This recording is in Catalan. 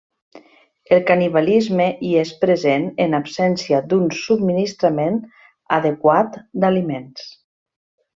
El canibalisme hi és present en absència d'un subministrament adequat d'aliments.